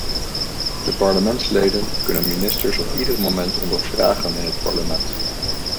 De parlementsleden kunnen ministers op ieder moment ondervragen in het parlement.